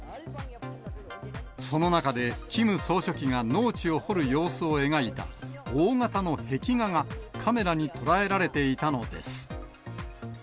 その中で、キム総書記が農地を掘る様子を描いた大型の壁画がカメラに捉えられていたのです。